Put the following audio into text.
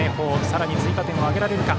さらに追加点を挙げられるか。